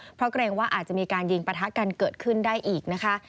เพราะเกรงว่าอาจจะมีการยิงปะทะกันเกิดขึ้นได้อีกนะคะ